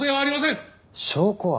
証拠は？